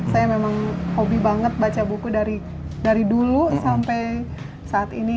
saya memang hobi banget baca buku dari dulu sampai saat ini